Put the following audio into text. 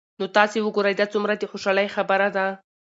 نو تاسي وګورئ دا څومره د خوشحالۍ خبره ده